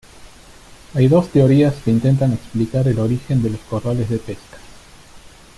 Hay dos teorías que intentan explicar el origen de los corrales de pesca.